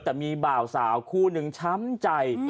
แต่มีบ่าวสาวคู่หนึ่งช้ำใจ